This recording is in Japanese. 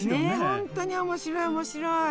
ほんとに面白い面白い！